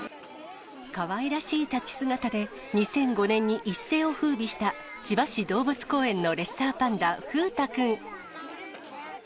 かわいらしい立ち姿で２００５年に一世をふうびした、千葉市動物公園のレッサーパンダ、風太くん。